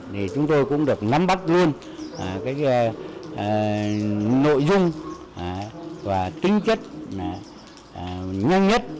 thì chúng tôi cũng được nắm bắt luôn cái nội dung và tính chất nhanh nhất